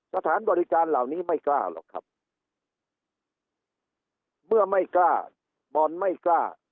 สถานบริการเหล่านี้ไม่กล้าหรอกครับเมื่อไม่กล้าบอลไม่กล้า